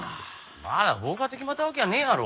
まだ放火って決まったわけやねえやろ。